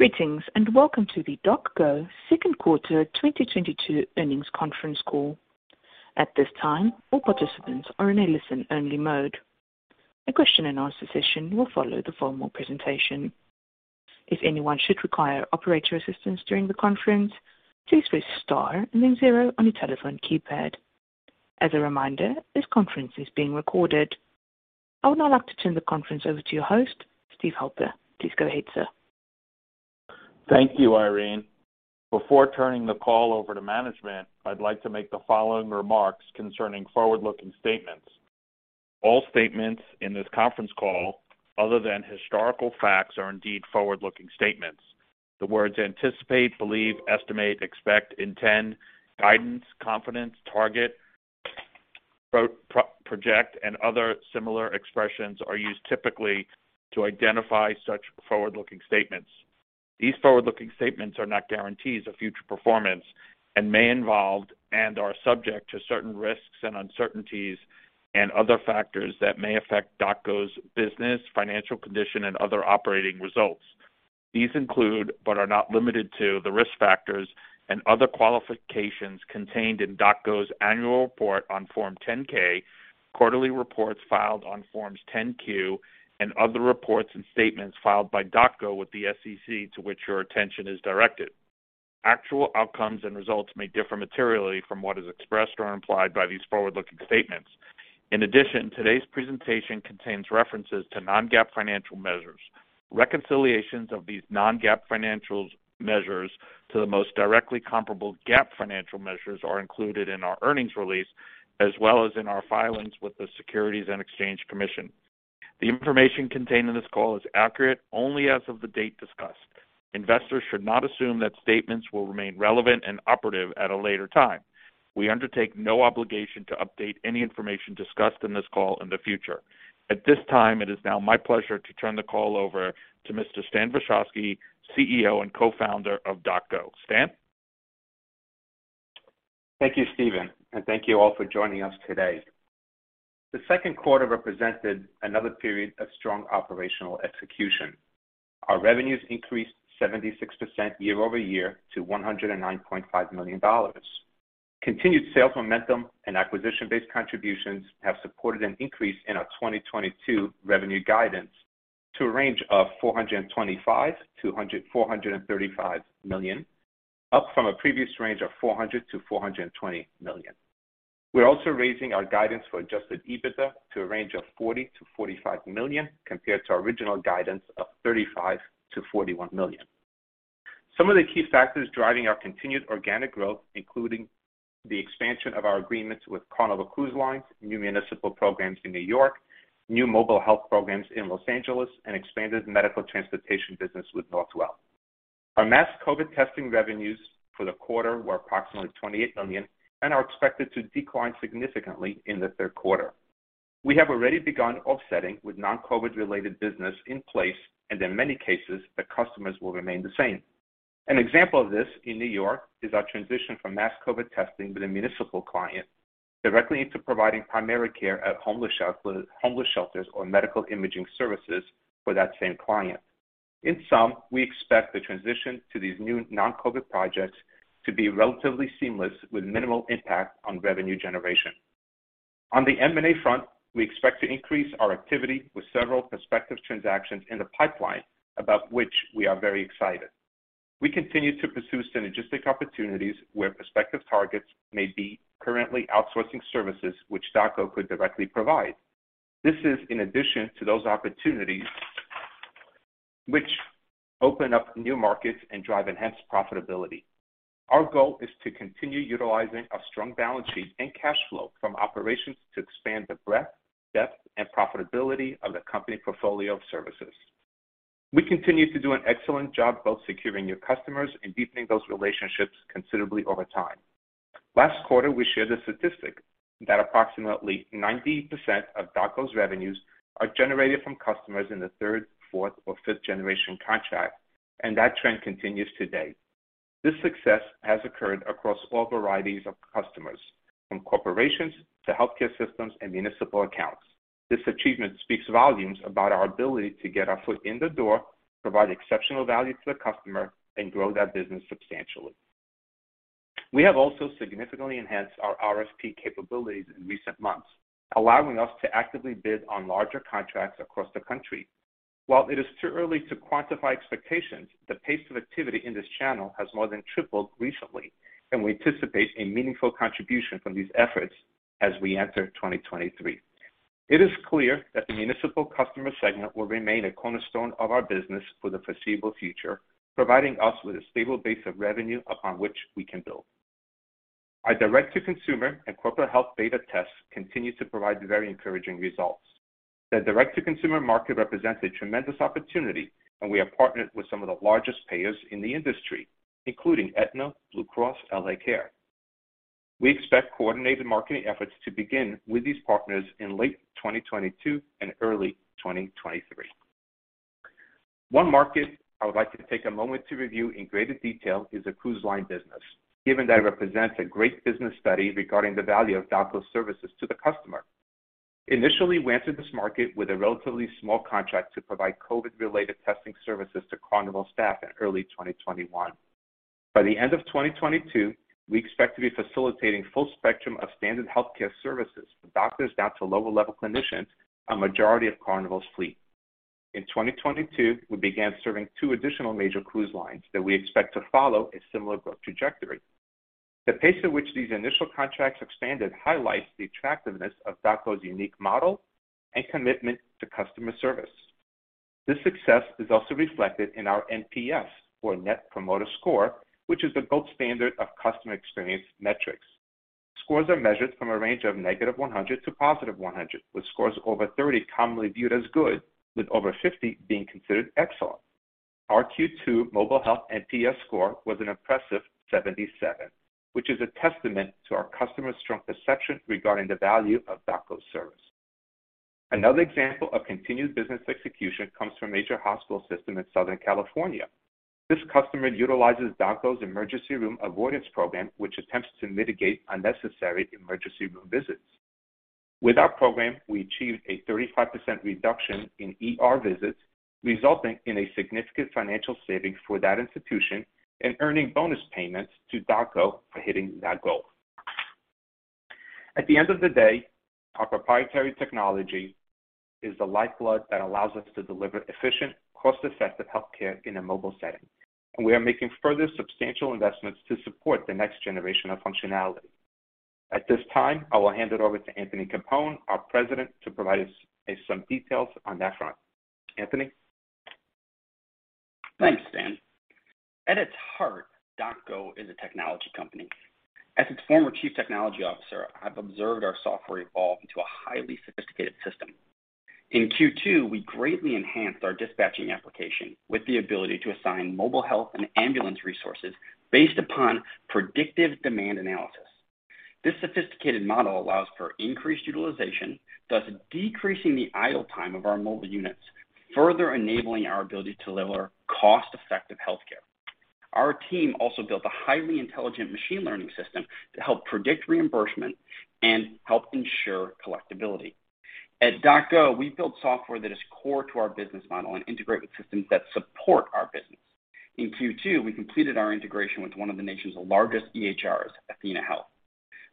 Greetings, and welcome to the DocGo second quarter 2022 earnings conference call. At this time, all participants are in a listen-only mode. A question-and-answer session will follow the formal presentation. If anyone should require operator assistance during the conference, please press star and then zero on your telephone keypad. As a reminder, this conference is being recorded. I would now like to turn the conference over to your host, Steve Halper. Please go ahead, sir. Thank you, Irene. Before turning the call over to management, I'd like to make the following remarks concerning forward-looking statements. All statements in this conference call, other than historical facts, are indeed forward-looking statements. The words anticipate, believe, estimate, expect, intend, guidance, confidence, target, project, and other similar expressions are used typically to identify such forward-looking statements. These forward-looking statements are not guarantees of future performance and may involve and are subject to certain risks and uncertainties and other factors that may affect DocGo's business, financial condition and other operating results. These include, but are not limited to, the risk factors and other qualifications contained in DocGo's annual report on Form 10-K, quarterly reports filed on Forms 10-Q, and other reports and statements filed by DocGo with the SEC to which your attention is directed. Actual outcomes and results may differ materially from what is expressed or implied by these forward-looking statements. In addition, today's presentation contains references to non-GAAP financial measures. Reconciliations of these non-GAAP financial measures to the most directly comparable GAAP financial measures are included in our earnings release, as well as in our filings with the Securities and Exchange Commission. The information contained in this call is accurate only as of the date discussed. Investors should not assume that statements will remain relevant and operative at a later time. We undertake no obligation to update any information discussed in this call in the future. At this time, it is now my pleasure to turn the call over to Mr. Stan Vashovsky, CEO and Co-Founder of DocGo. Stan? Thank you, Steve, and thank you all for joining us today. The second quarter represented another period of strong operational execution. Our revenues increased 76% year-over-year to $109.5 million. Continued sales momentum and acquisition-based contributions have supported an increase in our 2022 revenue guidance to a range of $425 million-$435 million, up from a previous range of $400 million-$420 million. We're also raising our guidance for adjusted EBITDA to a range of $40 million-$45 million, compared to original guidance of $35 million-$41 million. Some of the key factors driving our continued organic growth, including the expansion of our agreements with Carnival Corporation, new municipal programs in New York, new mobile health programs in Los Angeles, and expanded medical transportation business with Northwell Health. Our mass COVID testing revenues for the quarter were approximately $28 million and are expected to decline significantly in the third quarter. We have already begun offsetting with non-COVID related business in place, and in many cases the customers will remain the same. An example of this in New York is our transition from mass COVID testing with a municipal client directly into providing primary care at homeless shelters or medical imaging services for that same client. In sum, we expect the transition to these new non-COVID projects to be relatively seamless with minimal impact on revenue generation. On the M&A front, we expect to increase our activity with several prospective transactions in the pipeline, about which we are very excited. We continue to pursue synergistic opportunities where prospective targets may be currently outsourcing services which DocGo could directly provide. This is in addition to those opportunities which open up new markets and drive enhanced profitability. Our goal is to continue utilizing a strong balance sheet and cash flow from operations to expand the breadth, depth, and profitability of the company portfolio of services. We continue to do an excellent job both securing new customers and deepening those relationships considerably over time. Last quarter, we shared a statistic that approximately 90% of DocGo's revenues are generated from customers in the third, fourth, or fifth generation contract, and that trend continues today. This success has occurred across all varieties of customers, from corporations to healthcare systems and municipal accounts. This achievement speaks volumes about our ability to get our foot in the door, provide exceptional value to the customer, and grow that business substantially. We have also significantly enhanced our RSP capabilities in recent months, allowing us to actively bid on larger contracts across the country. While it is too early to quantify expectations, the pace of activity in this channel has more than tripled recently, and we anticipate a meaningful contribution from these efforts as we enter 2023. It is clear that the municipal customer segment will remain a cornerstone of our business for the foreseeable future, providing us with a stable base of revenue upon which we can build. Our direct to consumer and corporate health beta tests continue to provide very encouraging results. The direct to consumer market represents a tremendous opportunity, and we have partnered with some of the largest payers in the industry, including Aetna, Blue Cross, L.A. Care. We expect coordinated marketing efforts to begin with these partners in late 2022 and early 2023. One market I would like to take a moment to review in greater detail is the cruise line business. Given that it represents a great business study regarding the value of DocGo's services to the customer. Initially, we entered this market with a relatively small contract to provide COVID related testing services to Carnival staff in early 2021. By the end of 2022, we expect to be facilitating full spectrum of standard healthcare services, from doctors down to lower level clinicians, a majority of Carnival's fleet. In 2022, we began serving two additional major cruise lines that we expect to follow a similar growth trajectory. The pace at which these initial contracts expanded highlights the attractiveness of DocGo's unique model and commitment to customer service. This success is also reflected in our NPS or Net Promoter Score, which is the gold standard of customer experience metrics. Scores are measured from a range of -100 to +100, with scores over 30 commonly viewed as good, with over 50 being considered excellent. Our Q2 Mobile Health NPS score was an impressive 77, which is a testament to our customers' strong perception regarding the value of DocGo's service. Another example of continued business execution comes from a major hospital system in Southern California. This customer utilizes DocGo's emergency room avoidance program, which attempts to mitigate unnecessary emergency room visits. With our program, we achieved a 35% reduction in ER visits, resulting in a significant financial savings for that institution and earning bonus payments to DocGo for hitting that goal. At the end of the day, our proprietary technology is the lifeblood that allows us to deliver efficient, cost-effective healthcare in a mobile setting, and we are making further substantial investments to support the next generation of functionality. At this time, I will hand it over to Anthony Capone, our President, to provide us some details on that front. Anthony. Thanks, Stan. At its heart, DocGo is a technology company. As its former chief technology officer, I've observed our software evolve into a highly sophisticated system. In Q2, we greatly enhanced our dispatching application with the ability to assign Mobile Health and ambulance resources based upon predictive demand analysis. This sophisticated model allows for increased utilization, thus decreasing the idle time of our mobile units, further enabling our ability to deliver cost-effective healthcare. Our team also built a highly intelligent machine learning system to help predict reimbursement and help ensure collectability. At DocGo, we build software that is core to our business model and integrate with systems that support our business. In Q2, we completed our integration with one of the nation's largest EHRs, athenahealth.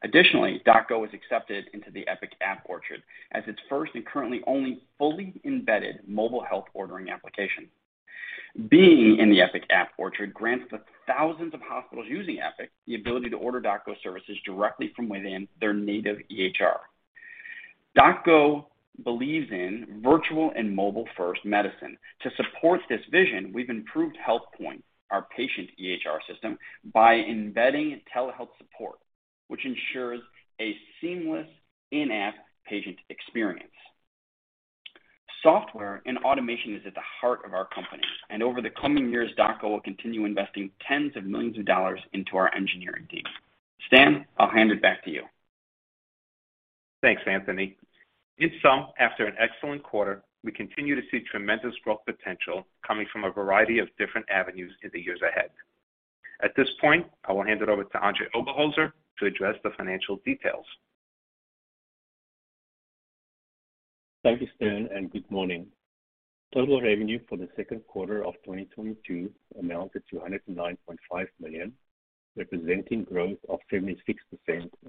Additionally, DocGo was accepted into the Epic App Orchard as its first and currently only fully embedded Mobile Health ordering application. Being in the Epic App Orchard grants the thousands of hospitals using Epic the ability to order DocGo services directly from within their native EHR. DocGo believes in virtual and mobile-first medicine. To support this vision, we've improved HealthPoint, our patient EHR system, by embedding telehealth support, which ensures a seamless in-app patient experience. Software and automation is at the heart of our company, and over the coming years, DocGo will continue investing tens of millions of dollars into our engineering team. Stan, I'll hand it back to you. Thanks, Anthony. In sum, after an excellent quarter, we continue to see tremendous growth potential coming from a variety of different avenues in the years ahead. At this point, I will hand it over to Andre Oberholzer to address the financial details. Thank you, Stan, and good morning. Total revenue for the second quarter of 2022 amounted to $109.5 million, representing growth of 76%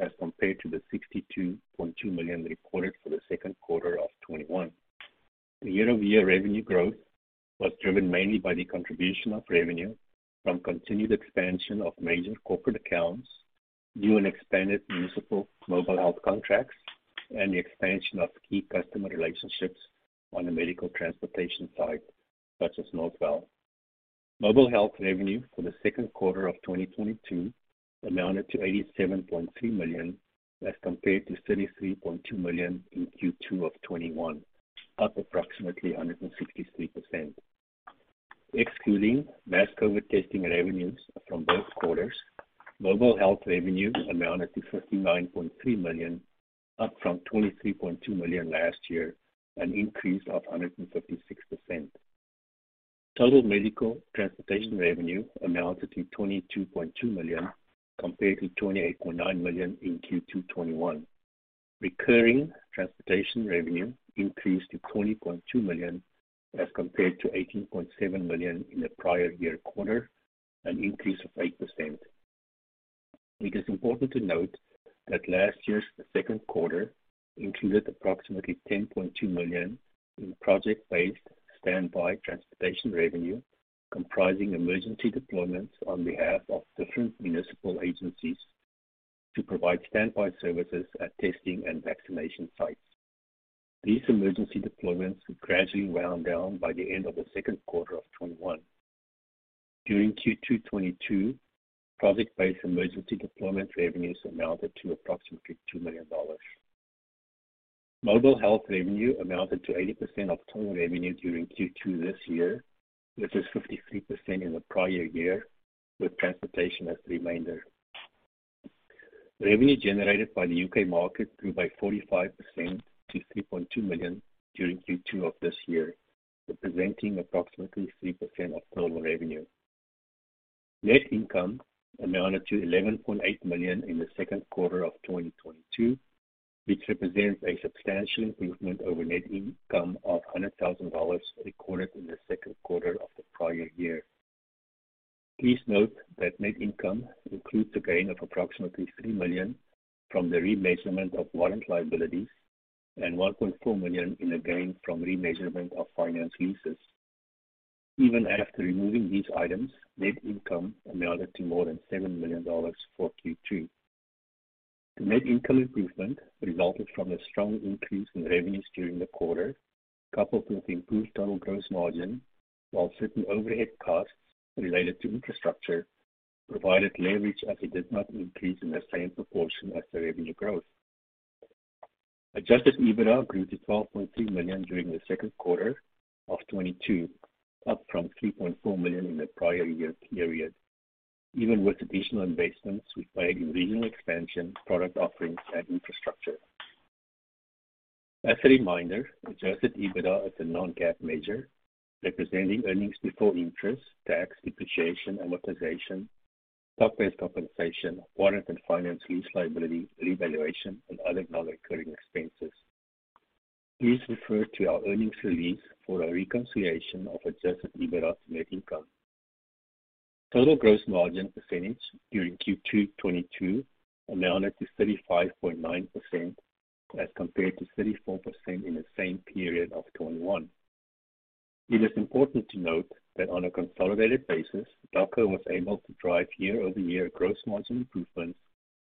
as compared to the $62.2 million reported for the second quarter of 2021. The year-over-year revenue growth was driven mainly by the contribution of revenue from continued expansion of major corporate accounts, new and expanded municipal Mobile Health contracts, and the expansion of key customer relationships on the medical transportation side, such as Northwell. Mobile Health revenue for the second quarter of 2022 amounted to $87.3 million, as compared to $33.2 million in Q2 of 2021, up approximately 163%. Excluding mass COVID testing revenues from both quarters, mobile health revenue amounted to $59.3 million, up from $23.2 million last year, an increase of 156%. Total medical transportation revenue amounted to $22.2 million, compared to $28.9 million in Q2 2021. Recurring transportation revenue increased to $20.2 million, as compared to $18.7 million in the prior year quarter, an increase of 8%. It is important to note that last year's second quarter included approximately $10.2 million in project-based standby transportation revenue, comprising emergency deployments on behalf of different municipal agencies to provide standby services at testing and vaccination sites. These emergency deployments gradually wound down by the end of the second quarter of 2021. During Q2 2022, project-based emergency deployment revenues amounted to approximately $2 million. Mobile Health revenue amounted to 80% of total revenue during Q2 this year. This is 53% in the prior year, with transportation as the remainder. Revenue generated by the UK market grew by 45% to $3.2 million during Q2 of this year, representing approximately 3% of total revenue. Net income amounted to $11.8 million in the second quarter of 2022, which represents a substantial improvement over net income of $100,000 recorded in the second quarter of the prior year. Please note that net income includes a gain of approximately $3 million from the remeasurement of warrant liabilities and $1.4 million in a gain from remeasurement of finance leases. Even after removing these items, net income amounted to more than $7 million for Q3. The net income improvement resulted from a strong increase in revenues during the quarter, coupled with improved total gross margin, while certain overhead costs related to infrastructure provided leverage as it did not increase in the same proportion as the revenue growth. Adjusted EBITDA grew to $12.3 million during the second quarter of 2022, up from $3.4 million in the prior year period. Even with additional investments we made in regional expansion, product offerings and infrastructure. As a reminder, adjusted EBITDA is a non-GAAP measure representing earnings before interest, tax, depreciation, amortization, stock-based compensation, warrant and finance lease liability revaluation, and other non-recurring expenses. Please refer to our earnings release for a reconciliation of adjusted EBITDA to net income. Total gross margin percentage during Q2 2022 amounted to 35.9% as compared to 34% in the same period of 2021. It is important to note that on a consolidated basis, DocGo was able to drive year-over-year gross margin improvement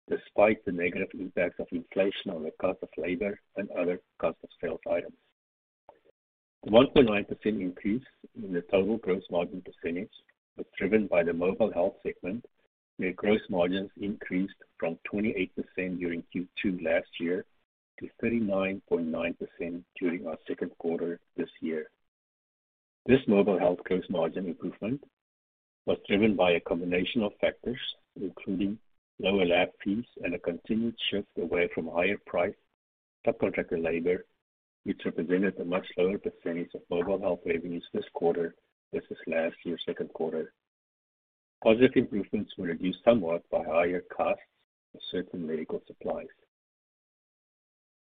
despite the negative impact of inflation on the cost of labor and other cost of sales items. The 1.9% increase in the total gross margin percentage was driven by the Mobile Health segment, where gross margins increased from 28% during Q2 last year to 39.9% during our second quarter this year. This Mobile Health gross margin improvement was driven by a combination of factors, including lower lab fees and a continued shift away from higher price subcontractor labor, which represented a much lower percentage of Mobile Health revenues this quarter versus last year's second quarter. Positive improvements were reduced somewhat by higher costs of certain medical supplies.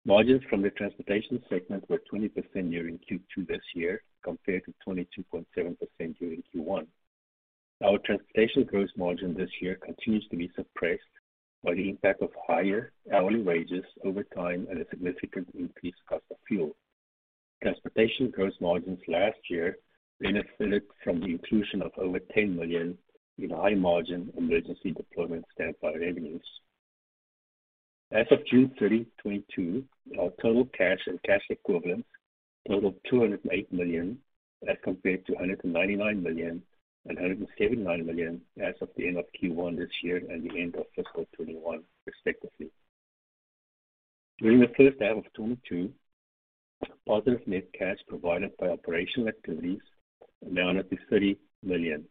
Margins from the transportation segment were 20% during Q2 this year, compared to 22.7% during Q1. Our transportation gross margin this year continues to be suppressed by the impact of higher hourly wages over time and a significant increased cost of fuel. Transportation gross margins last year benefited from the inclusion of over $10 million in high-margin emergency deployment standby revenues. As of June 30, 2022, our total cash and cash equivalents totaled $208 million as compared to $199 million and $179 million as of the end of Q1 this year and the end of fiscal 2021, respectively. During the first half of 2022, positive net cash provided by operational activities amounted to $30 million,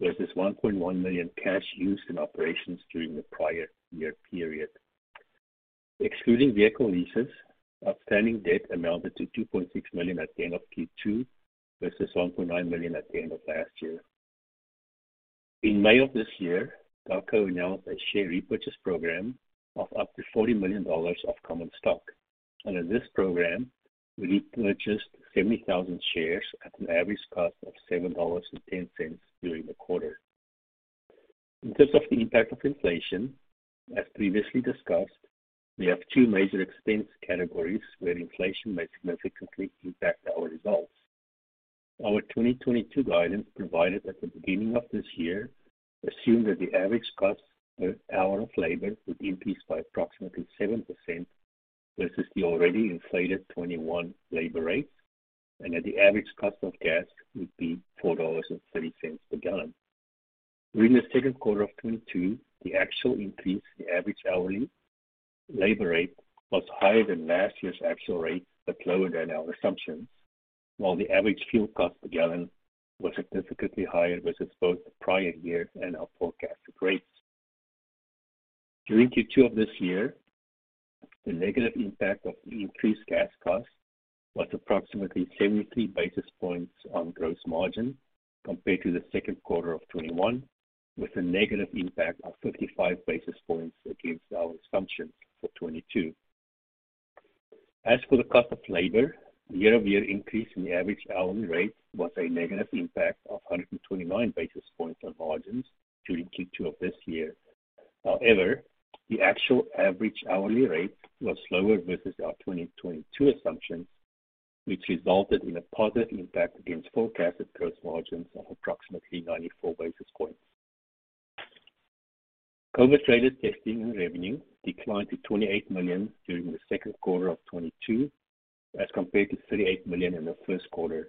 versus $1.1 million cash used in operations during the prior year period. Excluding vehicle leases, outstanding debt amounted to $2.6 million at the end of Q2 versus $1.9 million at the end of last year. In May of this year, DocGo announced a share repurchase program of up to $40 million of common stock. Under this program, we repurchased 70,000 shares at an average cost of $7.10 during the quarter. In terms of the impact of inflation, as previously discussed, we have two major expense categories where inflation may significantly impact our results. Our 2022 guidance provided at the beginning of this year assumed that the average cost per hour of labor would increase by approximately 7% versus the already inflated 2021 labor rates, and that the average cost of gas would be $4.30 per gallon. During the second quarter of 2022, the actual increase in the average hourly labor rate was higher than last year's actual rate, but lower than our assumptions. While the average fuel cost per gallon was significantly higher versus both the prior year and our forecasted rates. During Q2 of this year, the negative impact of the increased gas costs was approximately 73 basis points on gross margin compared to the second quarter of 2021, with a negative impact of 55 basis points against our assumptions for 2022. As for the cost of labor, year-over-year increase in the average hourly rate was a negative impact of 129 basis points on margins during Q2 of this year. However, the actual average hourly rate was lower versus our 2022 assumptions, which resulted in a positive impact against forecasted gross margins of approximately 94 basis points. COVID-related testing revenue declined to $28 million during the second quarter of 2022, as compared to $38 million in the first quarter.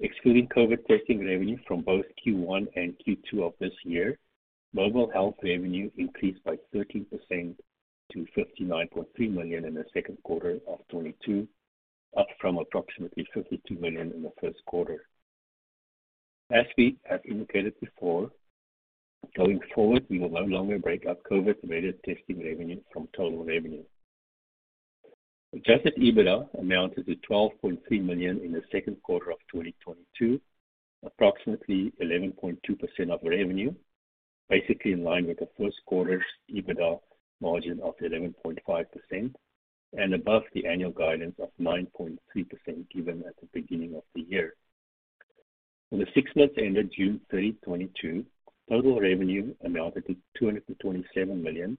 Excluding COVID testing revenue from both Q1 and Q2 of this year, Mobile Health revenue increased by 13% to $59.3 million in the second quarter of 2022, up from approximately $52 million in the first quarter. As we have indicated before, going forward, we will no longer break out COVID-related testing revenue from total revenue. Adjusted EBITDA amounted to $12.3 million in the second quarter of 2022, approximately 11.2% of revenue, basically in line with the first quarter's EBITDA margin of 11.5% and above the annual guidance of 9.3% given at the beginning of the year. For the six months ended June 30, 2022, total revenue amounted to $227 million,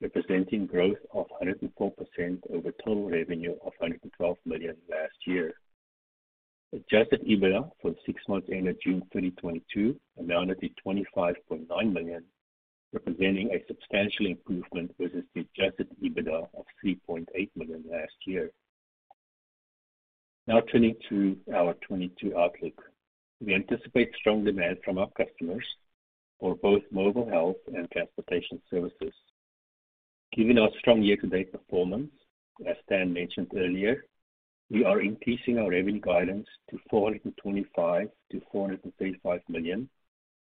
representing growth of 104% over total revenue of $112 million last year. Adjusted EBITDA for the six months ended June 30, 2022 amounted to $25.9 million, representing a substantial improvement versus the adjusted EBITDA of $3.8 million last year. Now turning to our 2022 outlook. We anticipate strong demand from our customers for both Mobile Health and transportation services. Given our strong year-to-date performance, as Stan mentioned earlier, we are increasing our revenue guidance to $425 million-$435 million,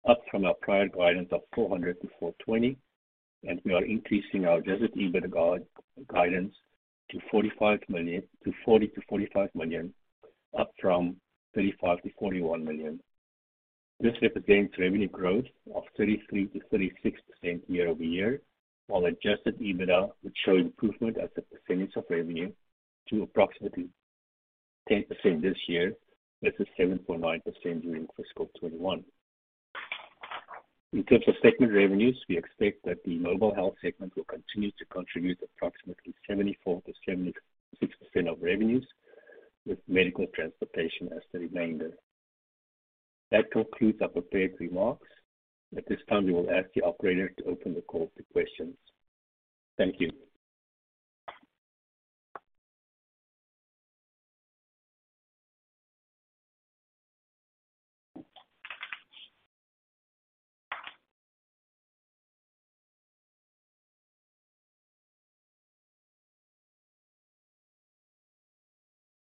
up from our prior guidance of $400 million-$420 million. We are increasing our adjusted EBITDA guidance to $40 million-$45 million, up from $35 million-$41 million. This represents revenue growth of 33%-36% year-over-year, while Adjusted EBITDA would show improvement as a percentage of revenue to approximately 10% this year versus 7.9% during fiscal 2021. In terms of segment revenues, we expect that the Mobile Health segment will continue to contribute approximately 74%-76% of revenues, with medical transportation as the remainder. That concludes our prepared remarks. At this time, we will ask the operator to open the call to questions. Thank you.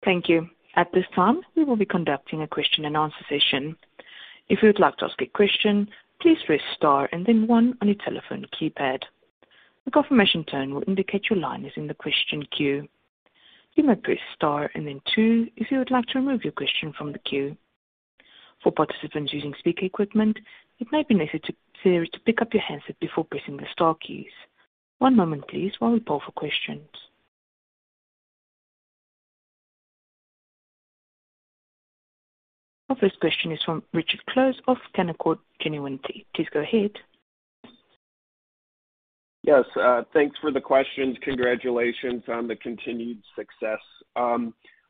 Thank you. At this time, we will be conducting a question-and-answer session. If you would like to ask a question, please press star and then one on your telephone keypad. A confirmation tone will indicate your line is in the question queue. You may press star and then two if you would like to remove your question from the queue. For participants using speaker equipment, it may be necessary to pick up your handset before pressing the star keys. One moment please while we poll for questions. Our first question is from Richard Close of Canaccord Genuity. Please go ahead. Yes. Thanks for the questions. Congratulations on the continued success.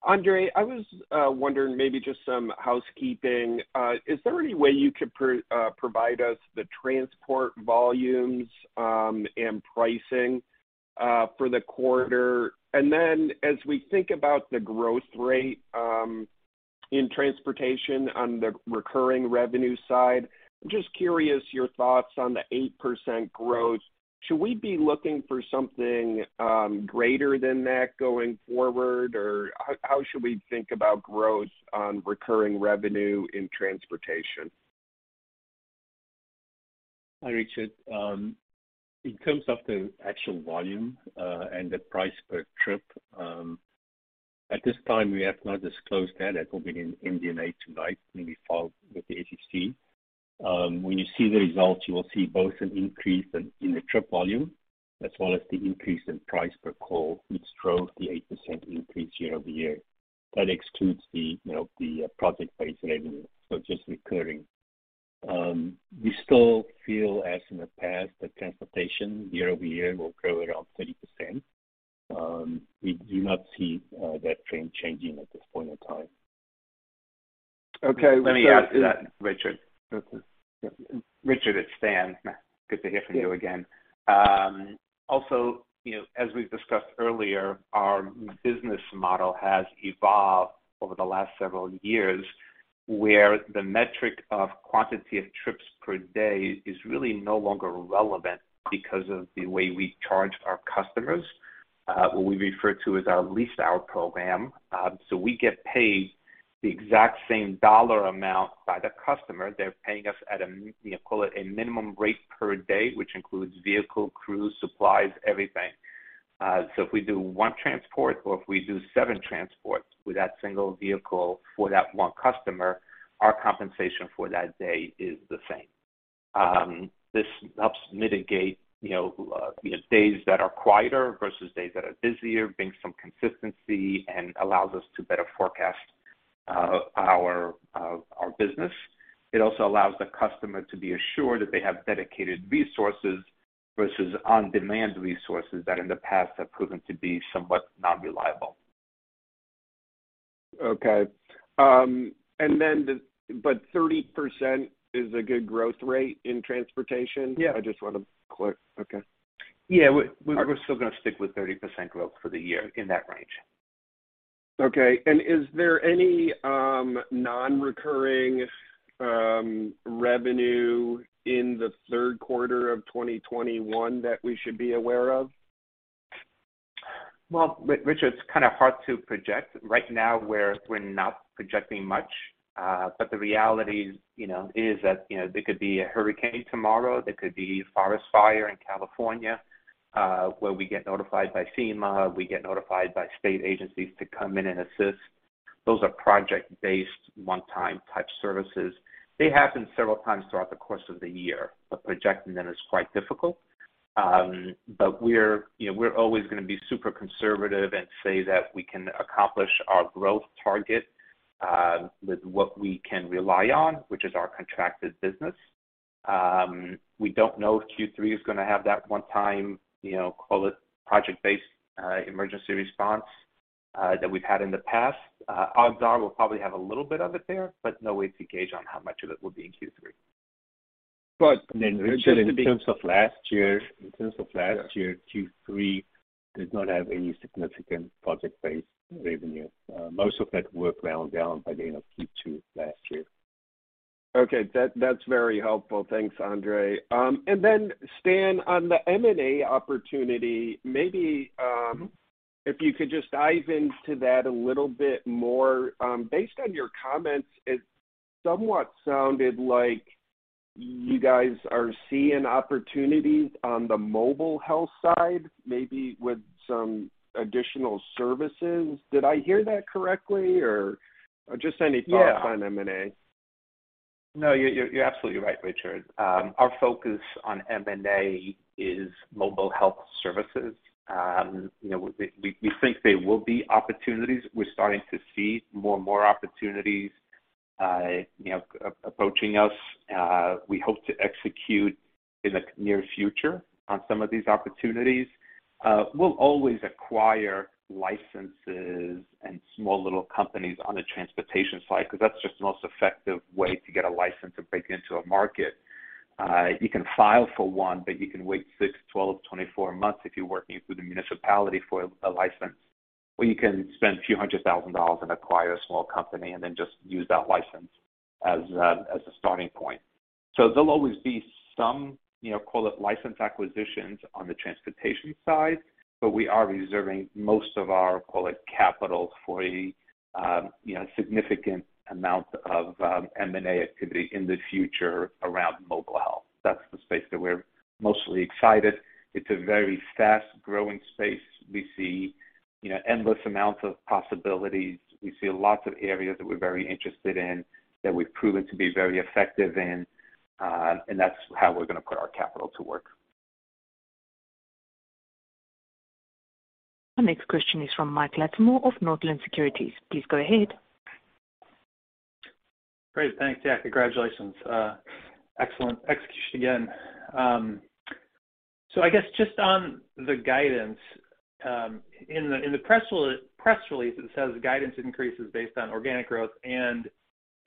Andre, I was wondering maybe just some housekeeping. Is there any way you could provide us the transport volumes and pricing for the quarter? As we think about the growth rate in transportation on the recurring revenue side, I'm just curious your thoughts on the 8% growth. Should we be looking for something greater than that going forward? Or how should we think about growth on recurring revenue in transportation? Hi, Richard. In terms of the actual volume and the price per trip, at this time we have not disclosed that. That will be in the 10-Q tonight, when we file with the SEC. When you see the results, you will see both an increase in the trip volume as well as the increase in price per call, which drove the 8% increase year-over-year. That excludes the, you know, the project-based revenue, so just recurring. We still feel, as in the past, that transportation year-over-year will grow around 30%. We do not see that trend changing at this point in time. Okay. Let me add to that, Richard Close. Richard Close, it's Stan Vashovsky. Good to hear from you again. Also, you know, as we've discussed earlier, our business model has evolved over the last several years, where the metric of quantity of trips per day is really no longer relevant because of the way we charge our customers, what we refer to as our lease out program. We get paid the exact same dollar amount by the customer. They're paying us, call it a minimum rate per day, which includes vehicle, crew, supplies, everything. If we do one transport or if we do seven transports with that single vehicle for that one customer, our compensation for that day is the same. This helps mitigate, you know, days that are quieter versus days that are busier, brings some consistency, and allows us to better forecast our business. It also allows the customer to be assured that they have dedicated resources versus on-demand resources that in the past have proven to be somewhat non-reliable. 30% is a good growth rate in transportation? Yeah. I just wanna clear. Okay. Yeah. We All right. We're still gonna stick with 30% growth for the year in that range. Okay. Is there any non-recurring revenue in the third quarter of 2021 that we should be aware of? Well, Richard, it's kinda hard to project. Right now we're not projecting much. The reality, you know, is that, you know, there could be a hurricane tomorrow, there could be forest fire in California, where we get notified by FEMA, we get notified by state agencies to come in and assist. Those are project-based one-time type services. They happen several times throughout the course of the year, but projecting them is quite difficult. We're, you know, we're always gonna be super conservative and say that we can accomplish our growth target, with what we can rely on, which is our contracted business. We don't know if Q3 is gonna have that one time, you know, call it project-based, emergency response, that we've had in the past. Odds are we'll probably have a little bit of it there, but no way to gauge on how much of it will be in Q3. In terms of last year, Q3 did not have any significant project-based revenue. Most of that work wound down by the end of Q2 last year. Okay. That's very helpful. Thanks, Andre. Stan, on the M&A opportunity, maybe if you could just dive into that a little bit more. Based on your comments, it somewhat sounded like you guys are seeing opportunities on the Mobile Health side, maybe with some additional services. Did I hear that correctly or just any thoughts on M&A? No, you're absolutely right, Richard. Our focus on M&A is Mobile Health services. You know, we think there will be opportunities. We're starting to see more and more opportunities, you know, approaching us. We hope to execute in the near future on some of these opportunities. We'll always acquire licenses and small little companies on the transportation side because that's just the most effective way to get a license to break into a market. You can file for one, but you can wait six, 12, 24 months if you're working through the municipality for a license, or you can spend a few hundred thousand dollars and acquire a small company and then just use that license as a starting point. There'll always be some, you know, call it license acquisitions on the transportation side, but we are reserving most of our, call it, capital for a, you know, significant amount of, M&A activity in the future around mobile health. That's the space that we're mostly excited. It's a very fast-growing space. We see, you know, endless amounts of possibilities. We see lots of areas that we're very interested in, that we've proven to be very effective in, and that's how we're gonna put our capital to work. Our next question is from Mike Latimore of Northland Securities. Please go ahead. Great. Thanks. Yeah, congratulations. Excellent execution again. So I guess just on the guidance, in the press release, it says guidance increases based on organic growth and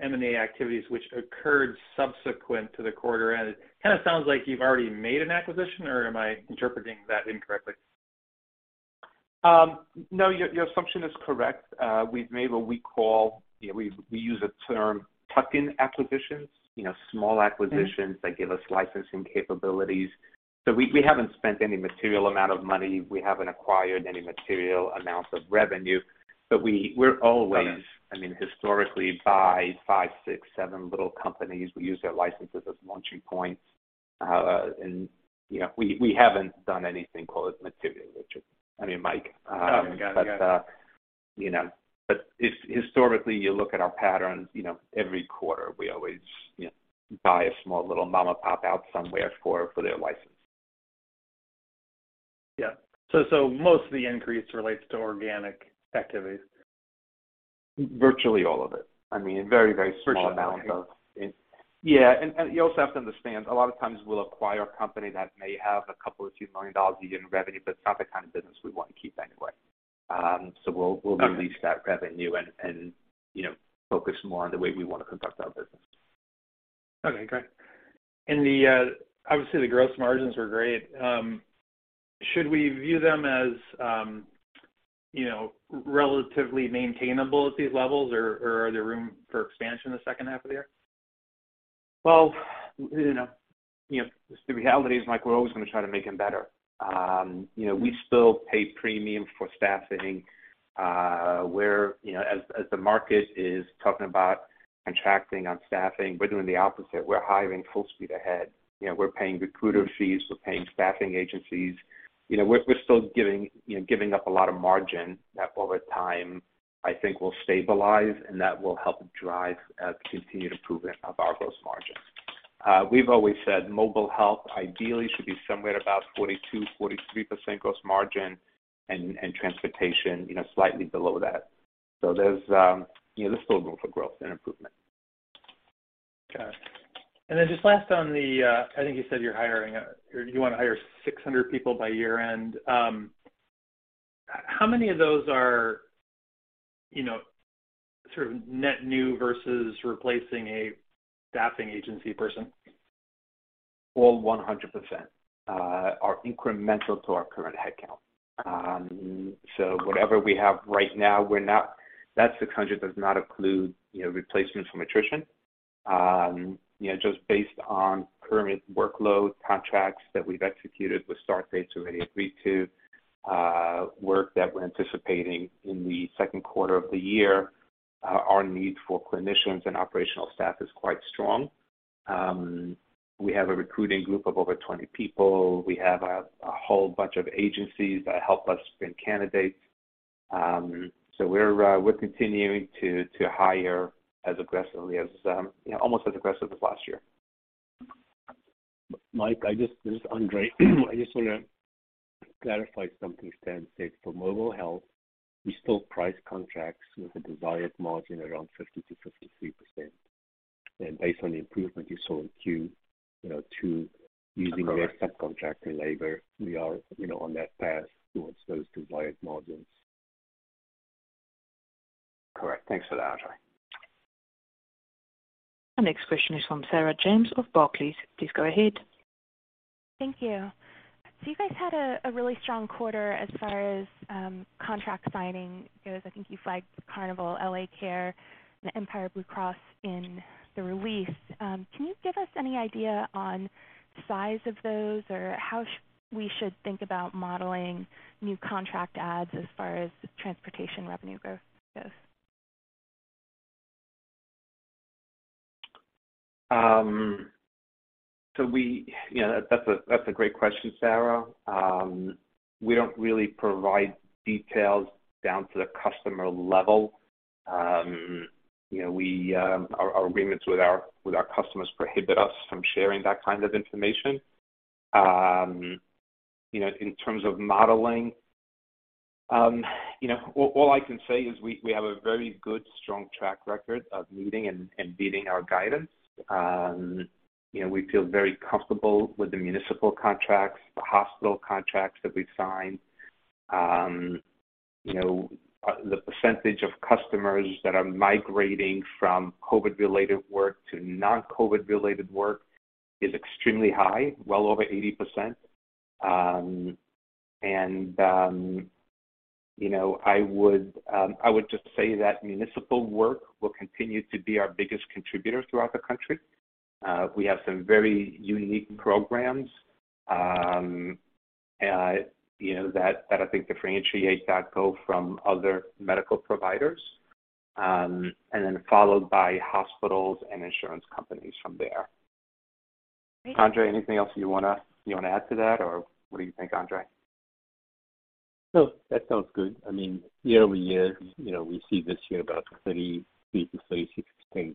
M&A activities which occurred subsequent to the quarter. It kinda sounds like you've already made an acquisition, or am I interpreting that incorrectly? No, your assumption is correct. We've made what we call, you know, we use a term tuck-in acquisitions, you know, small acquisitions that give us licensing capabilities. So we haven't spent any material amount of money. We haven't acquired any material amounts of revenue, but we're always, I mean, historically buy five, six, seven little companies. We use their licenses as launching points. And, you know, we haven't done anything, call it, material, Richard. I mean, Mike. Oh, I got it. If historically you look at our patterns, you know, every quarter, we always, you know, buy a small little mom-and-pop out somewhere for their license. Yeah. Most of the increase relates to organic activities. Virtually all of it. I mean, very, very small amounts of it. Yeah. Yeah. You also have to understand, a lot of times we'll acquire a company that may have a couple of few million dollars a year in revenue, but it's not the kind of business we want to keep anyway. So we'll release that revenue and, you know, focus more on the way we wanna conduct our business. Okay, great. Obviously, the growth margins are great. Should we view them as, you know, relatively maintainable at these levels or are there room for expansion in the second half of the year? Well, you know, the reality is, Mike, we're always gonna try to make them better. You know, we still pay premium for staffing. We're, you know, as the market is talking about contracting on staffing, we're doing the opposite. We're hiring full speed ahead. You know, we're paying recruiter fees, we're paying staffing agencies. You know, we're still giving up a lot of margin that over time, I think will stabilize, and that will help drive continued improvement of our gross margins. We've always said Mobile Health ideally should be somewhere about 42%-43% gross margin and transportation, you know, slightly below that. There's you know, still room for growth and improvement. Okay. Just last on the, I think you said you're hiring or you want to hire 600 people by year-end. How many of those are, you know, sort of net new versus replacing a staffing agency person? All 100% are incremental to our current headcount. Whatever we have right now, that 600 does not include, you know, replacements from attrition. You know, just based on current workload contracts that we've executed with start dates already agreed to, work that we're anticipating in the second quarter of the year, our need for clinicians and operational staff is quite strong. We have a recruiting group of over 20 people. We have a whole bunch of agencies that help us bring candidates. We're continuing to hire as aggressively as, you know, almost as aggressive as last year. Mike, I just—this is Andre. I just wanna clarify something Stan said. For Mobile Health, we still price contracts with a desired margin around 50%-53%. Based on the improvement you saw in Q, you know, two using the subcontracted labor, we are, you know, on that path towards those desired margins. Correct. Thanks for that, Andre. Our next question is from Sarah James of Barclays. Please go ahead. Thank you. You guys had a really strong quarter as far as contract signing goes. I think you flagged Carnival, L.A. Care, and Empire BlueCross BlueShield in the release. Can you give us any idea on size of those or how we should think about modeling new contract adds as f ar as transportation revenue growth goes? You know, that's a great question, Sarah. We don't really provide details down to the customer level. You know, our agreements with our customers prohibit us from sharing that kind of information. You know, in terms of modeling, you know, all I can say is we have a very good, strong track record of meeting and beating our guidance. You know, we feel very comfortable with the municipal contracts, the hospital contracts that we've signed. You know, the percentage of customers that are migrating from COVID-related work to non-COVID-related work is extremely high, well over 80%. You know, I would just say that municipal work will continue to be our biggest contributor throughout the country. We have some very unique programs, you know, that I think differentiate DocGo from other medical providers, and then followed by hospitals and insurance companies from there. Great. Andre, anything else you wanna add to that? Or what do you think, Andre? No, that sounds good. I mean, year-over-year, you know, we see this year about 33%-36%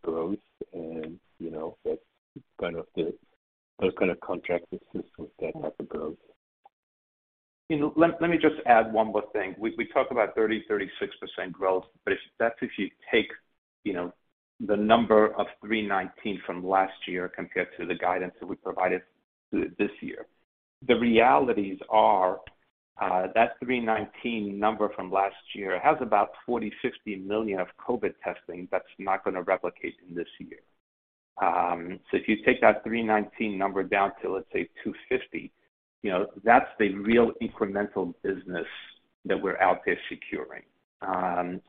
growth and, you know, that's kind of the, those kind of contracts it seems will stand up the growth. You know, let me just add one more thing. We talk about 36% growth, but that's if you take, you know, the number of $319 million from last year compared to the guidance that we provided this year. The realities are that $319 million number from last year has about $40 million-$60 million of COVID testing that's not gonna replicate in this year. So if you take that $319 million number down to, let's say $250 million, you know, that's the real incremental business that we're out there securing.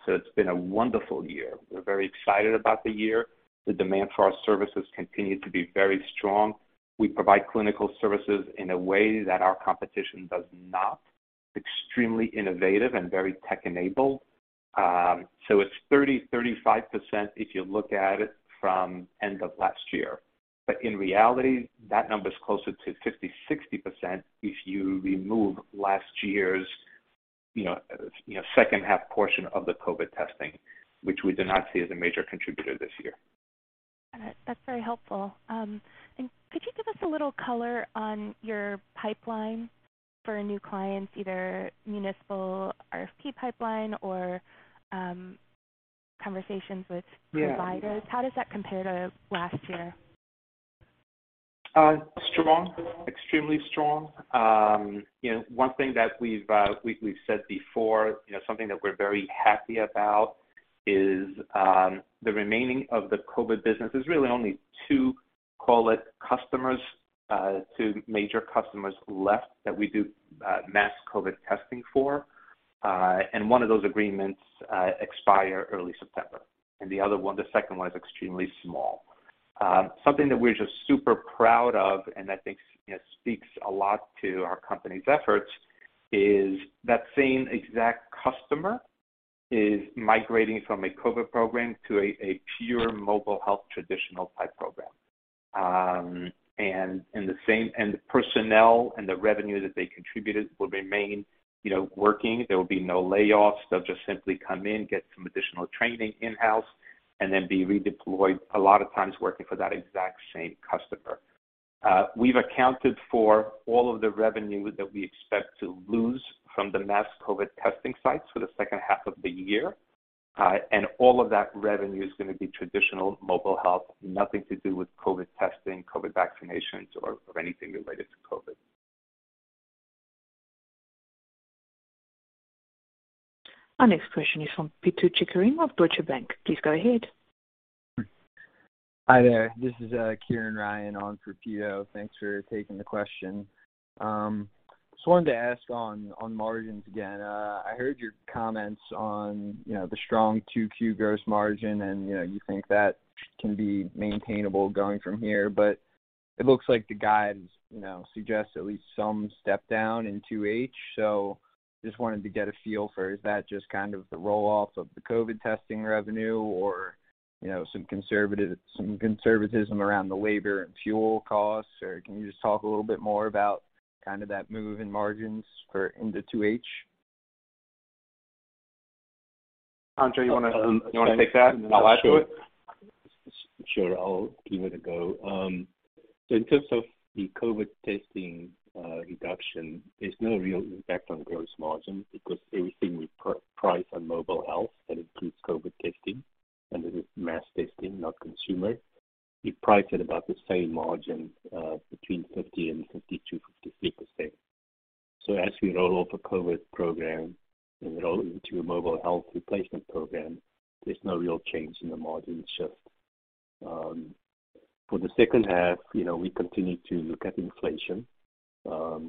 So it's been a wonderful year. We're very excited about the year. The demand for our services continue to be very strong. We provide clinical services in a way that our competition does not, extremely innovative and very tech-enabled. It's 30%-35% if you look at it from end of last year. In reality, that number is closer to 50%-60% if you remove last year's, you know, you know, second half portion of the COVID testing, which we did not see as a major contributor this year. Got it. That's very helpful. Could you give us a little color on your pipeline for new clients, either municipal RFP pipeline or conversations with providers? Yeah. How does that compare to last year? Strong, extremely strong. You know, one thing that we've said before, you know, something that we're very happy about is the remainder of the COVID business. There's really only two, call it customers, two major customers left that we do mass COVID testing for. One of those agreements expire early September. The other one, the second one is extremely small. Something that we're just super proud of, and I think, you know, speaks a lot to our company's efforts is that same exact customer is migrating from a COVID program to a pure Mobile Health traditional type program. The personnel and the revenue that they contributed will remain, you know, working. There will be no layoffs. They'll just simply come in, get some additional training in-house, and then be redeployed, a lot of times working for that exact same customer. We've accounted for all of the revenue that we expect to lose from the mass COVID testing sites for the second half of the year. All of that revenue is gonna be traditional mobile health, nothing to do with COVID testing, COVID vaccinations or anything related to COVID. Our next question is from Pito Chickering of Deutsche Bank. Please go ahead. Hi there. This is Kieran Ryan on for Pito. Thanks for taking the question. Just wanted to ask on margins again. I heard your comments on, you know, the strong 2Q gross margin and, you know, you think that can be maintainable going from here. It looks like the guidance, you know, suggests at least some step down in 2H. Just wanted to get a feel for is that just kind of the roll off of the COVID testing revenue or, you know, some conservatism around the labor and fuel costs? Or can you just talk a little bit more about kind of that move in margins going into 2H? Andre, you wanna take that and I'll add to it? Sure. I'll give it a go. In terms of the COVID testing reduction, there's no real impact on gross margin because everything we price on mobile health that includes COVID testing and mass testing, not consumer. We price at about the same margin between 50%-53%. As we roll off a COVID program and roll into a mobile health replacement program, there's no real change in the margin shift. For the second half, you know, we continue to look at inflation,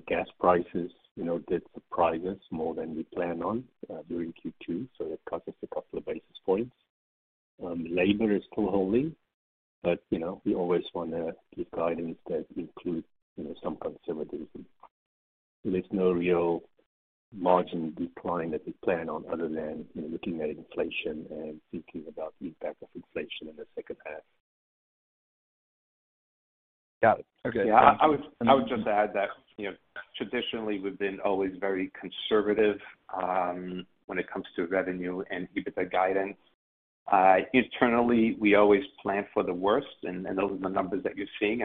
gas prices, you know, did surprise us more than we planned on during Q2, so it cost us a couple of basis points. Labor is still holding, but, you know, we always wanna give guidance that includes, you know, some conservatism. There's no real margin decline that we plan on other than, you know, looking at inflation and thinking about the impact of inflation in the second half. Got it. Okay. Yeah. I would just add that, you know, traditionally we've been always very conservative when it comes to revenue and EBITDA guidance. Internally, we always plan for the worst, and those are the numbers that you're seeing.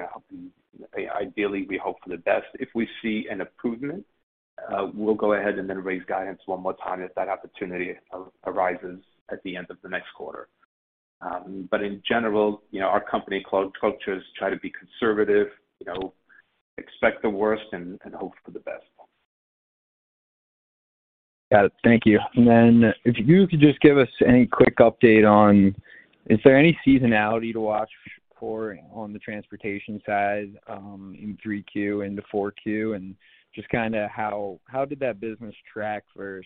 Ideally, we hope for the best. If we see an improvement, we'll go ahead and then raise guidance one more time if that opportunity arises at the end of the next quarter. But in general, you know, our company cultures try to be conservative, you know, expect the worst and hope for the best. Got it. Thank you. If you could just give us any quick update on is there any seasonality to watch for on the transportation side in 3Q into 4Q? Just kinda how did that business track versus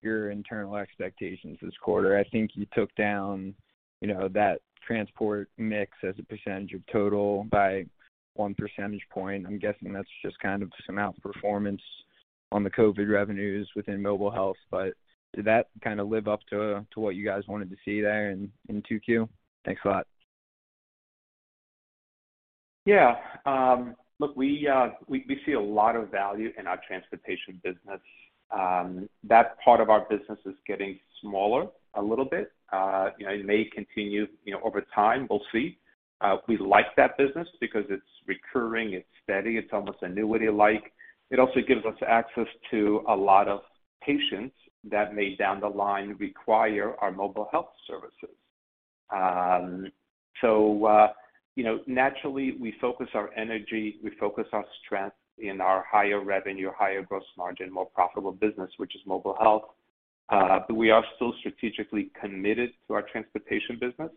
your internal expectations this quarter? I think you took down, you know, that transport mix as a percentage of total by one percentage point. I'm guessing that's just kind of some outperformance on the COVID revenues within mobile health, but did that kinda live up to what you guys wanted to see there in 2Q? Thanks a lot. Yeah. Look, we see a lot of value in our transportation business. That part of our business is getting smaller a little bit. You know, it may continue, you know, over time. We'll see. We like that business because it's recurring, it's steady, it's almost annuity-like. It also gives us access to a lot of patients that may down the line require our Mobile Health services. You know, naturally we focus our energy, we focus our strength in our higher revenue, higher gross margin, more profitable business, which is Mobile Health. We are still strategically committed to our transportation business.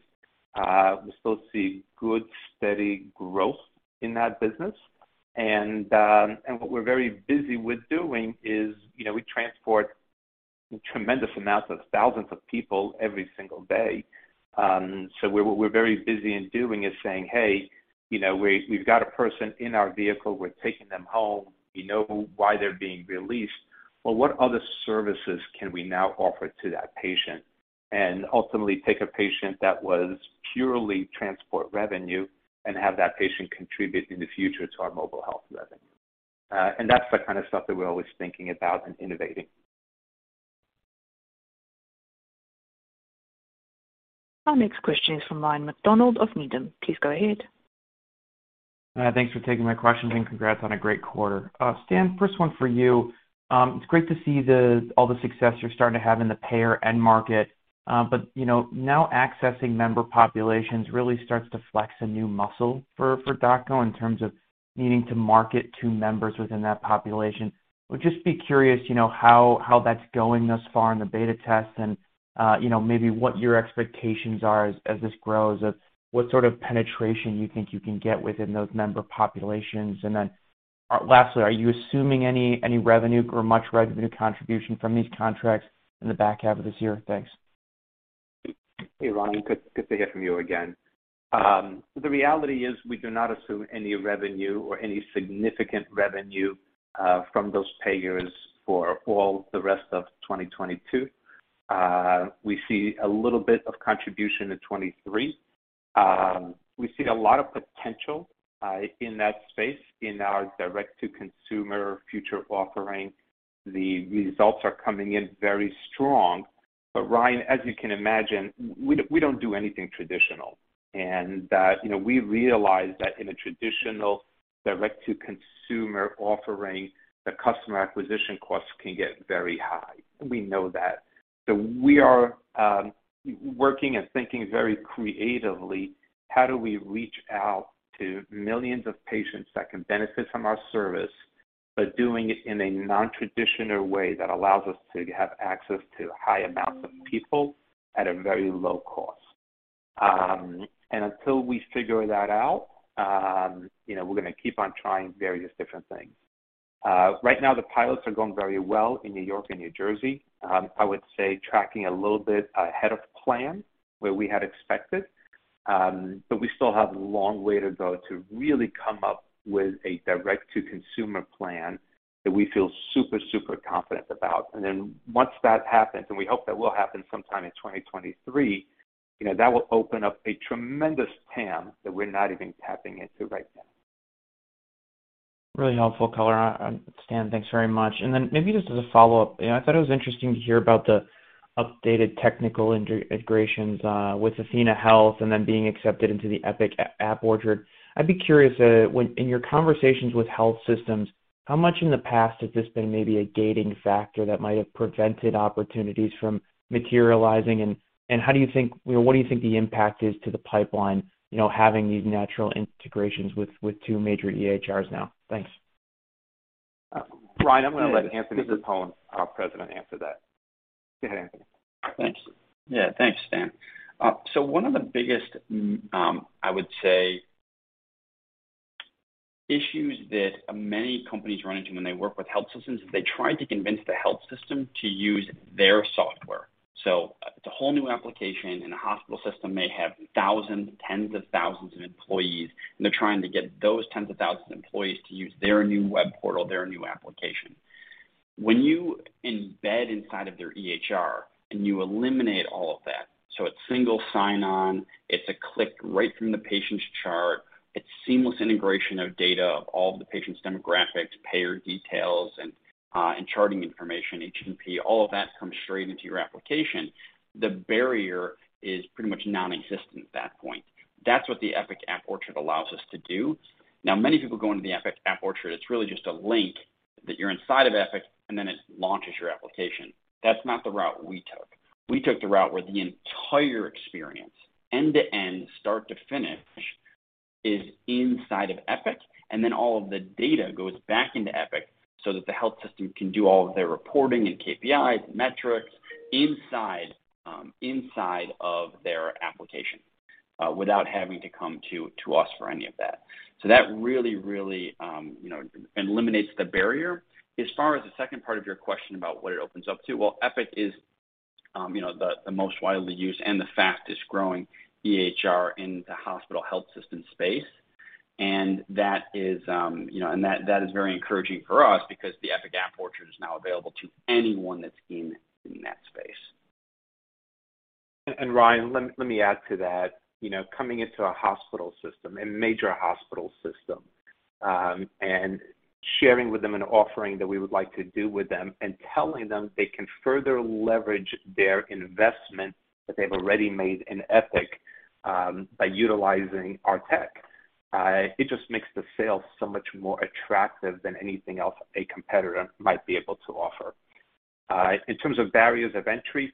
We still see good steady growth in that business. What we're very busy with doing is, you know, we transport tremendous amounts of thousands of people every single day. What we're very busy doing is saying, "Hey, you know, we've got a person in our vehicle, we're taking them home. We know why they're being released. Well, what other services can we now offer to that patient?" Ultimately take a patient that was purely transport revenue and have that patient contribute in the future to our Mobile Health revenue. That's the kind of stuff that we're always thinking about and innovating. Our next question is from Ryan MacDonald of Needham. Please go ahead. Thanks for taking my questions and congrats on a great quarter. Stan, first one for you. It's great to see all the success you're starting to have in the payer end market. You know, now accessing member populations really starts to flex a new muscle for DocGo in terms of needing to market to members within that population. Would just be curious, you know, how that's going thus far in the beta test and, you know, maybe what your expectations are as this grows of what sort of penetration you think you can get within those member populations. Lastly, are you assuming any revenue or much revenue contribution from these contracts in the back half of this year? Thanks. Hey, Ryan. Good, good to hear from you again. The reality is we do not assume any revenue or any significant revenue from those payers for all the rest of 2022. We see a little bit of contribution in 2023. We see a lot of potential in that space in our direct to consumer future offering. The results are coming in very strong. Ryan, as you can imagine, we don't do anything traditional. That, you know, we realize that in a traditional direct to consumer offering, the customer acquisition costs can get very high. We know that. We are working and thinking very creatively, how do we reach out to millions of patients that can benefit from our service, but doing it in a non-traditional way that allows us to have access to high amounts of people at a very low cost. Until we figure that out, you know, we're gonna keep on trying various different things. Right now the pilots are going very well in New York and New Jersey. I would say tracking a little bit ahead of plan where we had expected, but we still have a long way to go to really come up with a direct to consumer plan that we feel super confident about. Once that happens, and we hope that will happen sometime in 2023, you know, that will open up a tremendous TAM that we're not even tapping into right now. Really helpful color, Stan. Thanks very much. Maybe just as a follow-up, you know, I thought it was interesting to hear about the updated technical integrations with athenahealth and then being accepted into the Epic App Orchard. I'd be curious, in your conversations with health systems, how much in the past has this been maybe a gating factor that might have prevented opportunities from materializing? How do you think what do you think the impact is to the pipeline, you know, having these natural integrations with two major EHRs now? Thanks. Ryan, I'm gonna let Anthony Capone, our President, answer that. Go ahead, Anthony. Thanks. Yeah. Thanks, Stan. One of the biggest, I would say, issues that many companies run into when they work with health systems is they try to convince the health system to use their software. It's a whole new application, and a hospital system may have thousands, tens of thousands of employees, and they're trying to get those tens of thousands of employees to use their new web portal, their new application. When you embed inside of their EHR and you eliminate all of that, it's single sign on, it's a click right from the patient's chart, it's seamless integration of data of all the patient's demographics, payer details, and charting information, HPI, all of that comes straight into your application, the barrier is pretty much nonexistent at that point. That's what the Epic App Orchard allows us to do. Now, many people go into the Epic App Orchard, it's really just a link that you're inside of Epic, and then it launches your application. That's not the route we took. We took the route where the entire experience, end to end, start to finish, is inside of Epic, and then all of the data goes back into Epic so that the health system can do all of their reporting and KPIs and metrics inside of their application, without having to come to us for any of that. That really, you know, eliminates the barrier. As far as the second part of your question about what it opens up to, well, Epic is, you know, the most widely used and the fastest growing EHR in the hospital health system space. That is, you know, very encouraging for us because the Epic App Orchard is now available to anyone that's in that space. Ryan, let me add to that. You know, coming into a hospital system, a major hospital system, and sharing with them an offering that we would like to do with them and telling them they can further leverage their investment that they've already made in Epic, by utilizing our tech, it just makes the sale so much more attractive than anything else a competitor might be able to offer. In terms of barriers of entry,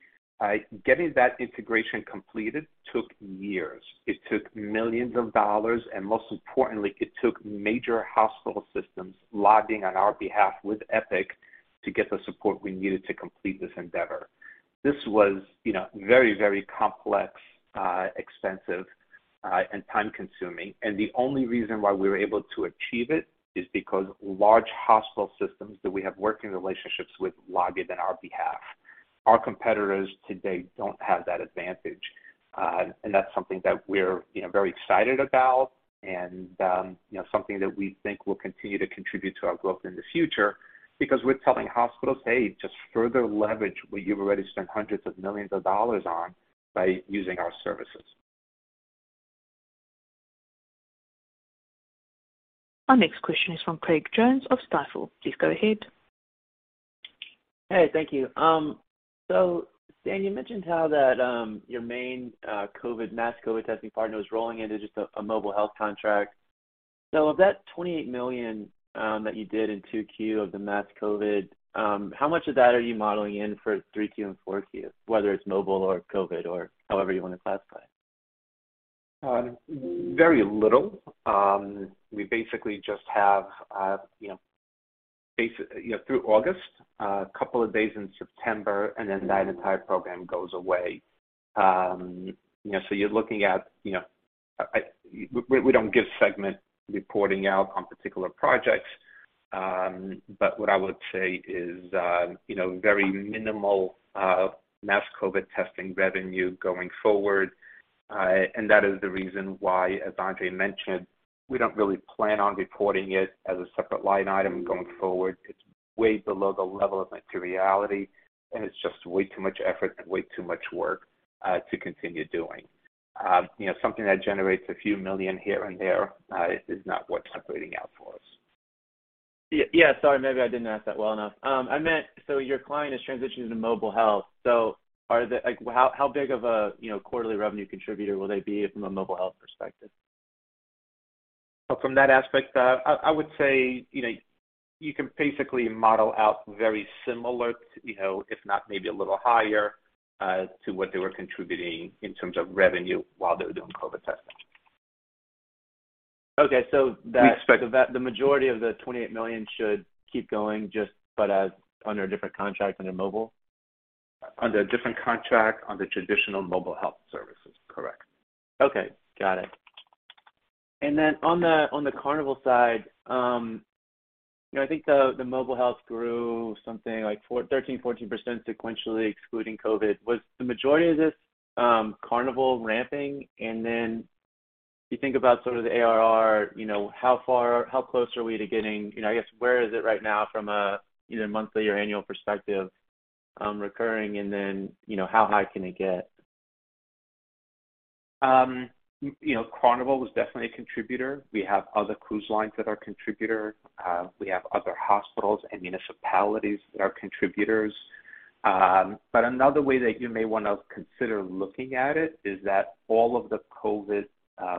getting that integration completed took years. It took millions of dollars, and most importantly, it took major hospital systems lobbying on our behalf with Epic to get the support we needed to complete this endeavor. This was, you know, very, very complex, expensive, and time-consuming. The only reason why we were able to achieve it is because large hospital systems that we have working relationships with lobbied on our behalf. Our competitors today don't have that advantage. That's something that we're, you know, very excited about and, you know, something that we think will continue to contribute to our growth in the future because we're telling hospitals, "Hey, just further leverage what you've already spent hundreds of millions of dollars on by using our services. Our next question is from Craig Jones of Stifel. Please go ahead. Hey, thank you. Stan, you mentioned how that your main COVID mass COVID testing partner was rolling into just a Mobile Health contract. Of that $28 million that you did in 2Q of the mass COVID, how much of that are you modeling in for 3Q and 4Q, whether it's mobile or COVID or however you wanna classify it? Very little. We basically just have, you know, through August, a couple of days in September, and then that entire program goes away. You know, so you're looking at, you know. We don't give segment reporting out on particular projects. But what I would say is, you know, very minimal, mass COVID testing revenue going forward. And that is the reason why, as Andre mentioned, we don't really plan on reporting it as a separate line item going forward. It's way below the level of materiality, and it's just way too much effort and way too much work, to continue doing. You know, something that generates a few million here and there, is not worth separating out for us. Yeah. Sorry, maybe I didn't ask that well enough. I meant, so your client is transitioning to Mobile Health. Like, how big of a, you know, quarterly revenue contributor will they be from a Mobile Health perspective? From that aspect, I would say, you know, you can basically model out very similar to, you know, if not maybe a little higher, to what they were contributing in terms of revenue while they were doing COVID testing. Okay. We expect. The majority of the $28 million should keep going just but as under a different contract under mobile? Under a different contract on the traditional Mobile Health services. Correct. Okay. Got it. On the Carnival side, you know, I think the Mobile Health grew something like 13%-14% sequentially excluding COVID. Was the majority of this Carnival ramping? You think about sort of the ARR, you know, how close are we to getting, you know, I guess, where is it right now from either monthly or annual perspective, recurring, and then, you know, how high can it get? You know, Carnival was definitely a contributor. We have other cruise lines that are contributors. We have other hospitals and municipalities that are contributors. Another way that you may wanna consider looking at it is that all of the COVID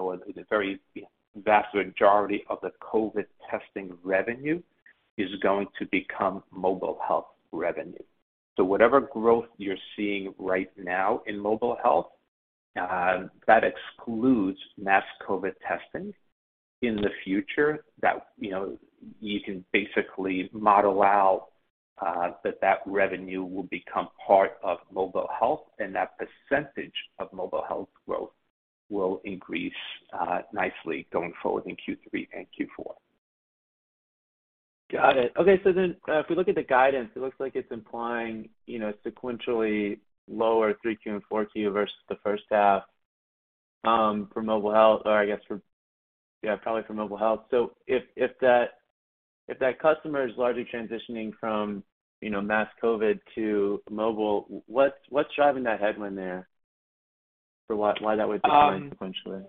or the very vast majority of the COVID testing revenue is going to become Mobile Health revenue. Whatever growth you're seeing right now in Mobile Health, that excludes mass COVID testing. In the future, you know, you can basically model out that revenue will become part of Mobile Health, and that percentage of Mobile Health growth will increase nicely going forward in Q3 and Q4. Got it. Okay. If we look at the guidance, it looks like it's implying, you know, sequentially lower 3Q and 4Q versus the first half for Mobile Health or I guess for, yeah, probably for Mobile Health. If that customer is largely transitioning from, you know, mass COVID to Mobile, what's driving that headwind there? For why that would decline sequentially?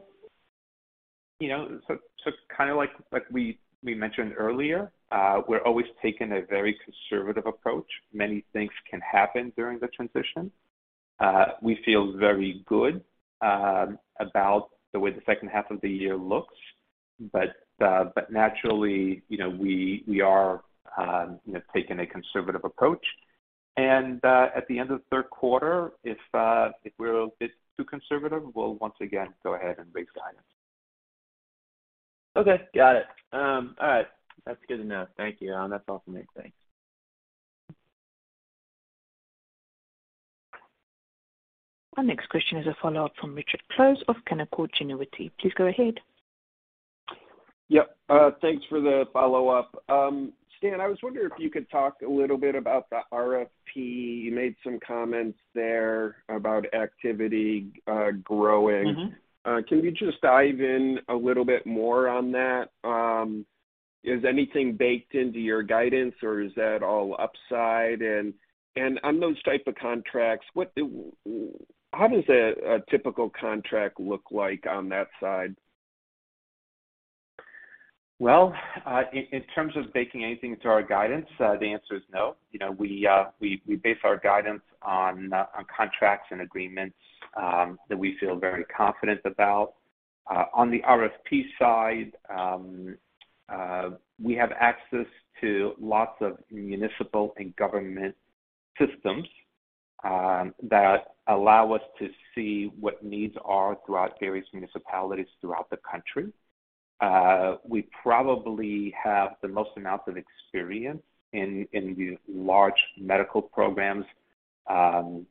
You know, so kind of like we mentioned earlier, we're always taking a very conservative approach. Many things can happen during the transition. We feel very good about the way the second half of the year looks. Naturally, you know, we are taking a conservative approach. At the end of the third quarter, if we're a bit too conservative, we'll once again go ahead and raise guidance. Okay. Got it. All right. That's good to know. Thank you. That's all for me. Thanks. Our next question is a follow-up from Richard Close of Canaccord Genuity. Please go ahead. Yep. Thanks for the follow-up. Stan, I was wondering if you could talk a little bit about the RFP. You made some comments there about activity, growing. Can you just dive in a little bit more on that? Is anything baked into your guidance, or is that all upside? On those type of contracts, how does a typical contract look like on that side? Well, in terms of baking anything into our guidance, the answer is no. You know, we base our guidance on contracts and agreements that we feel very confident about. On the RFP side, we have access to lots of municipal and government systems that allow us to see what needs are throughout various municipalities throughout the country. We probably have the most amount of experience in the large medical programs of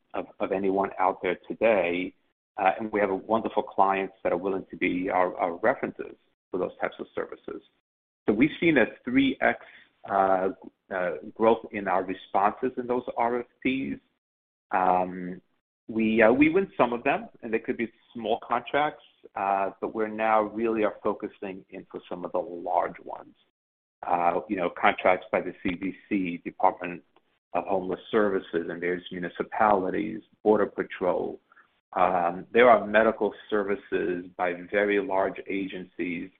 anyone out there today. We have wonderful clients that are willing to be our references for those types of services. We've seen a 3x growth in our responses in those RFPs. We win some of them, and they could be small contracts, but we're now really are focusing in for some of the large ones. You know, contracts by the CDC, Department of Homeless Services, and there's municipalities, Border Patrol. There are medical services by very large agencies,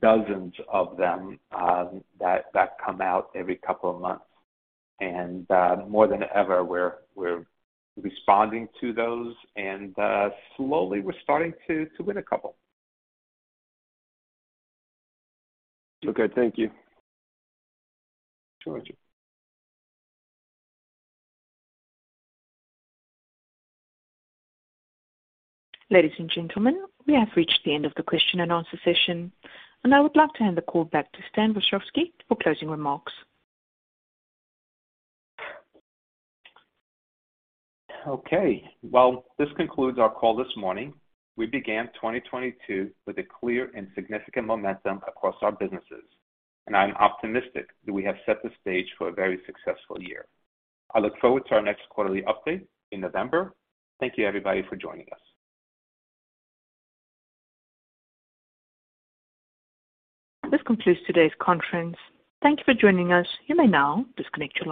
dozens of them, that come out every couple of months. More than ever, we're responding to those and, slowly we're starting to win a couple. Okay. Thank you. Ladies and gentlemen, we have reached the end of the question-and-answer session. I would like to hand the call back to Stan Vashovsky for closing remarks. Okay. Well, this concludes our call this morning. We began 2022 with a clear and significant momentum across our businesses. I'm optimistic that we have set the stage for a very successful year. I look forward to our next quarterly update in November. Thank you everybody for joining us. This concludes today's conference. Thank you for joining us. You may now disconnect your line.